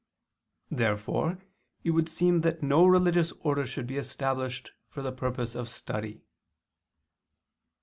Therefore it would seem that no religious order should be established for the purpose of study.